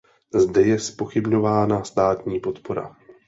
Zde je zpochybňována státní podpora.